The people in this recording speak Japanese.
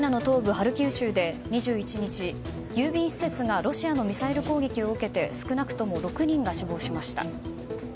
ハルキウ州で２１日郵便施設がロシアのミサイル攻撃を受けて少なくとも６人が死亡しました。